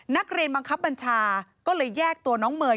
นักเรียนบังคับบัญชาก็เลยแยกตัวน้องเมย์